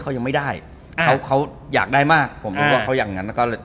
ผมต้องแล้วว่าเขาอย่างนั้น